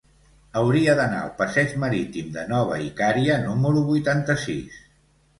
Hauria d'anar al passeig Marítim de Nova Icària número vuitanta-sis.